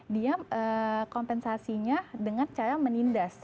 dia kompensasinya dengan cara menindas